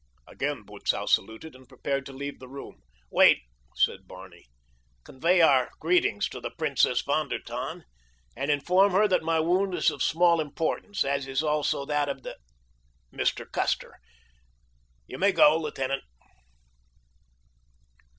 Again Butzow saluted and prepared to leave the room. "Wait," said Barney. "Convey our greetings to the Princess von der Tann, and inform her that my wound is of small importance, as is also that of the—Mr. Custer. You may go, lieutenant."